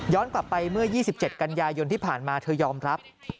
กลับไปเมื่อ๒๗กันยายนที่ผ่านมาเธอยอมรับ